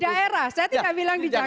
daerah saya tidak bilang di jakarta